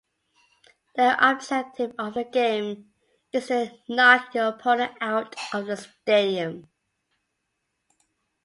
The objective of the game is to knock your opponent out of the stadium.